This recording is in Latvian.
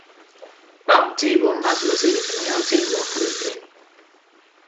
Abi dzīvo mazmazītiņā dzīvoklītī